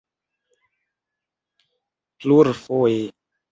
plurfoje